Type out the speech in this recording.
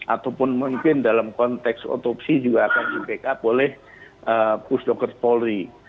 ataupun mungkin dalam konteks otopsi juga akan di backup oleh pusdokers polri